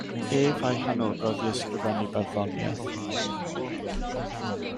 Ef a'i hanogodd i ysgrifennu barddoniaeth.